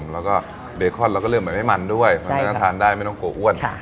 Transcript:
แล้วก็เบคอนเราก็เลือกไม่มันด้วยมันไม่ต้องทานได้ไม่ต้องโกว่อ้วน